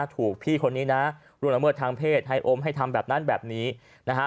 ถูกพี่คนนี้นะร่วงละเมิดทางเพศให้อมให้ทำแบบนั้นแบบนี้นะฮะ